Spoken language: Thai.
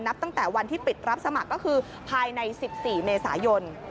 ตั้งแต่วันที่ปิดรับสมัครก็คือภายใน๑๔เมษายน